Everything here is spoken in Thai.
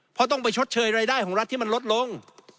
เพราะต้องไปชดเชยรายได้ของรัฐที่มันลดลง